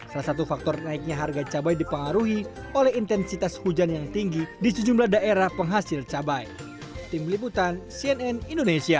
salah satu faktor naiknya harga cabai dipengaruhi oleh intensitas hujan yang tinggi di sejumlah daerah penghasil cabai